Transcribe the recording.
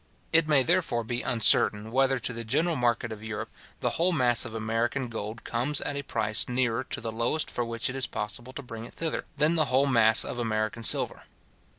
It may therefore be uncertain, whether, to the general market of Europe, the whole mass of American gold comes at a price nearer to the lowest for which it is possible to bring it thither, than the whole mass of American silver.